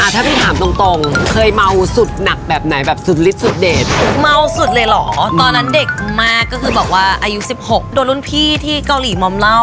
ถ้าพี่ถามตรงเคยเมาสุดหนักแบบไหนแบบสุดลิดสุดเด็ดเมาสุดเลยเหรอตอนนั้นเด็กมากก็คือบอกว่าอายุ๑๖โดนรุ่นพี่ที่เกาหลีมอมเล่า